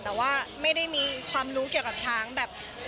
แต่ว่าไม่ได้มีความรู้เกี่ยวกับช้างแบบ